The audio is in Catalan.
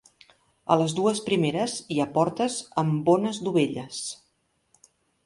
A les dues primeres hi ha portes amb bones dovelles.